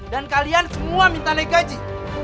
kalian semua minta naik gaji